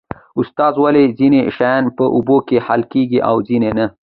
استاده ولې ځینې شیان په اوبو کې حل کیږي او ځینې نه